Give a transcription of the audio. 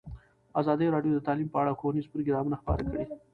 ازادي راډیو د تعلیم په اړه ښوونیز پروګرامونه خپاره کړي.